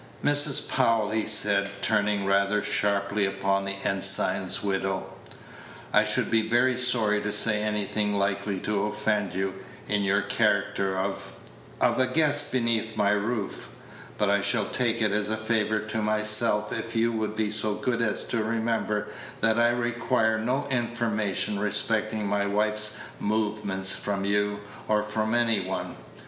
"Mrs. Powell," he said, turning rather Page 115 sharply upon the ensign's widow, "I should be very sorry to say anything likely to offend you, in your character of of a guest beneath my roof; but I shall take it as a favor to myself if you will be so good as to remember that I require no information respecting my wife's movements from you, or from any one.